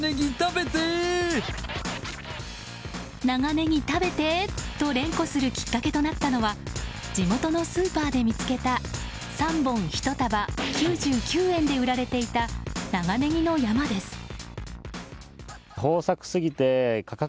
長ネギ食べてー！と連呼するきっかけとなったのは地元のスーパーで見つけた３本１束９９円で売られていた長ネギの山です。